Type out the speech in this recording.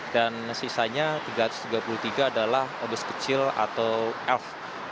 dan sisanya tiga ratus tiga puluh tiga adalah obes kecil atau elf